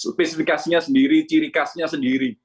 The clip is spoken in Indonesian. spesifikasinya sendiri cirikasinya sendiri